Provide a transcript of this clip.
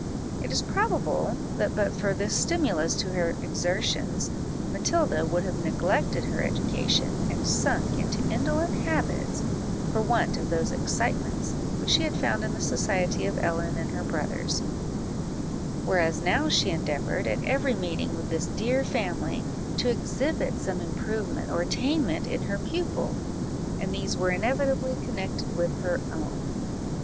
It is probable that but for this stimulus to her exertions, Matilda would have neglected her education, and sunk into indolent habits, for want of those excitements which she had found in the society of Ellen and her brothers; whereas now she endeavoured, at every meeting with this dear family, to exhibit some improvement or attainment in her pupil, and these were inevitably connected with her own.